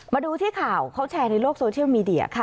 มาดูที่ข่าวเขาแชร์ในโลกโซเชียลมีเดียค่ะ